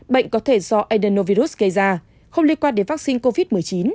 bệnh có thể do edernovirus gây ra không liên quan đến vaccine covid một mươi chín